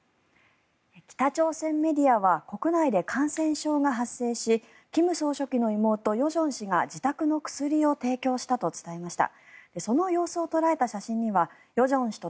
北朝鮮メディアは国内で感染症が発生し金総書記の妹・与正氏が自宅の薬を提供したと伝えました。